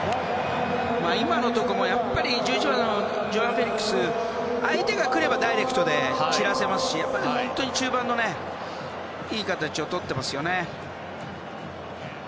今のところも１１番のジョアン・フェリックスは相手が来ればダイレクトで散らせますし本当に、中盤のいい形をとっていますよね。